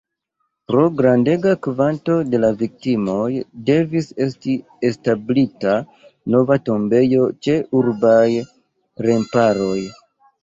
Pro grandega kvanto de la viktimoj devis esti establita nova tombejo ĉe urbaj remparoj.